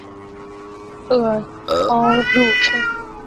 萼凹入很深。